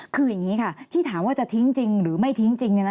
คืออย่างนี้ค่ะที่ถามว่าจะทิ้งจริงหรือไม่ทิ้งจริง